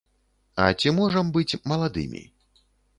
А ці можам быць маладымі?